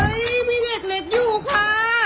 มีเด็กเล็กอยู่ค่ะ